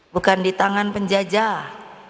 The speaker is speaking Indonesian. bukan di tangan penjajah